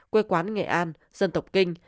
quê quán nghệ an dân tộc kinh